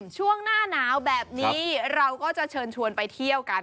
ช่วงหน้าหนาวแบบนี้เราก็จะเชิญชวนไปเที่ยวกัน